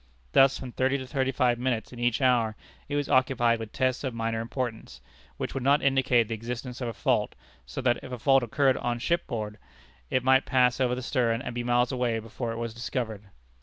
Thus, from thirty to thirty five minutes in each hour it was occupied with tests of minor importance, which would not indicate the existence of a fault, so that, if a fault occurred on ship board, it might pass over the stern, and be miles away before it was discovered.